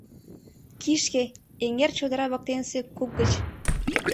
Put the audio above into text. Кишке-эҥер чодра воктенысе куп гыч.